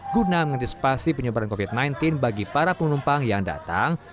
guna mengantisipasi penyebaran covid sembilan belas bagi para penumpang yang datang